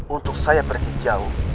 untuk saya pergi jauh